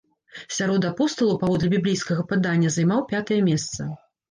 Сярод апосталаў, паводле біблейскага падання, займаў пятае месца.